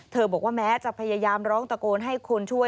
บอกว่าแม้จะพยายามร้องตะโกนให้คนช่วย